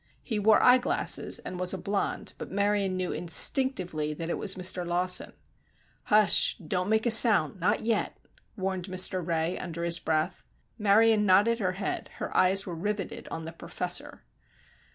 He wore eye glasses and was a blonde, but Marion knew instinctively that it was Mr. Lawson. "Hush! Don't make a sound—not yet!" warned Mr. Ray, under his breath. Marion nodded her head, her eyes were riveted on the "professor."